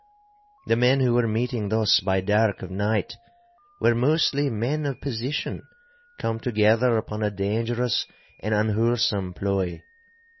The men who were meeting thus by dark of night, were mostly men of position come together upon a dangerous and unwholesome ploy.